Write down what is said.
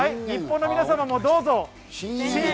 日本の皆様もどうぞ！